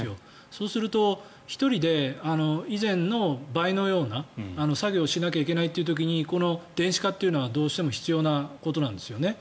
そうすると、１人で以前の倍のような作業をしなきゃいけない時に電子化というのはどうしても必要なことなんです。